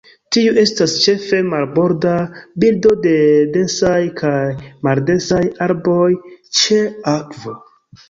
Tiu estas ĉefe marborda birdo de densaj kaj maldensaj arbaroj ĉe akvo.